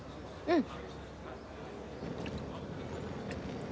うん。